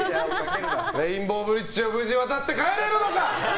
レインボーブリッジを無事渡って帰れるのか？